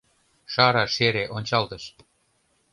Шара-шере ончалтыш